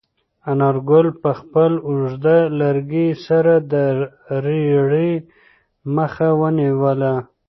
انارګل په خپل اوږد لرګي سره د رېړې مخه ونیوله.